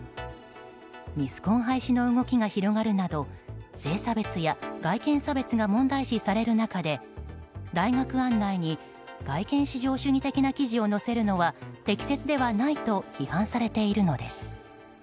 ミスコン廃止の動きが広がるなど性差別や外見差別が問題視される中で大学案内に外見至上主義的な記事を載せるのは適切ではないと批判されているのです。